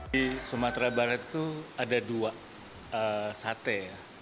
di sumatera barat itu ada dua sate